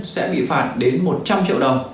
sẽ bị phạt đến một trăm linh triệu đồng